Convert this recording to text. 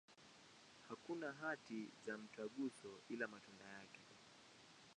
Hakuna hati za mtaguso, ila matunda yake.